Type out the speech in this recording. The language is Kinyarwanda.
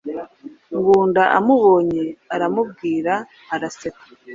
Ngunda amubonye aramubwira araseka